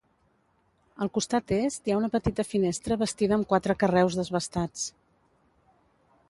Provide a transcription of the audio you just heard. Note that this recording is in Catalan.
Al costat est hi ha una petita finestra bastida amb quatre carreus desbastats.